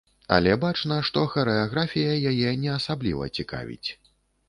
Але бачна, што харэаграфія яе не асабліва цікавіць.